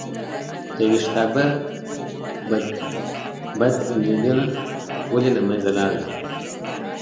د ویښتابه بدلیلونه ولې له منځه لاړل؟